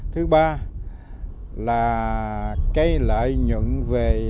thứ ba là cây lợi nhuận về cây trồng